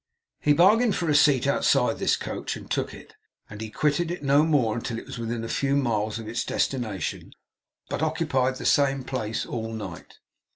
He bargained for a seat outside this coach, and took it. And he quitted it no more until it was within a few miles of its destination, but occupied the same place all night.